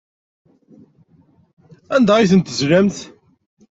Anda ay tent-tezlamt?